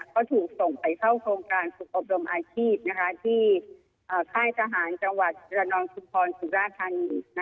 ก็ถูกส่งไปเข้าโครงการสุดอบรมอาทิตย์ที่ค่ายสหารจังหวัดระนองชุมพร๑๕๐๐๐